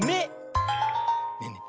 ねえねえ